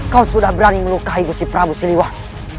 kau sudah berani melukai si prabu siliwang